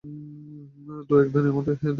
দু-এক দিনের মধ্যেই দেরাদুন যাত্রা করিব।